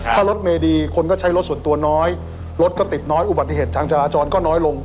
ถ้ารถเมดีคนก็ใช้รถส่วนตัวน้อยรถก็ติดน้อยอุบัติเหตุทางจราจรก็น้อยลง